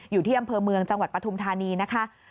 อยู่ที่อำเภอเมืองจังหวัดปฐุมธานีนะคะ